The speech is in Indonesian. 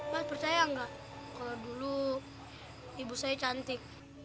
mas percaya enggak kalau dulu ibu saya cantik